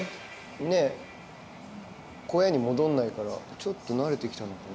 ねっ小屋に戻んないからちょっとなれて来たのかな？